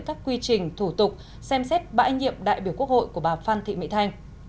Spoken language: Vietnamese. các quy trình thủ tục xem xét bãi nhiệm đại biểu quốc hội của bà phan thị mỹ thanh